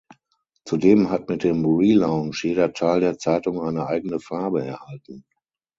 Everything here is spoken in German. Zudem hat mit dem Relaunch jeder Teil der Zeitung eine eigene Farbe erhalten.